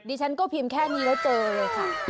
ฉันก็พิมพ์แค่นี้แล้วเจอเลยค่ะ